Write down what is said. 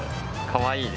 かわいい。